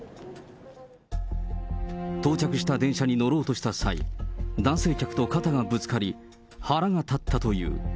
到着した電車に乗ろうとした際、男性客と肩がぶつかり、腹が立ったという。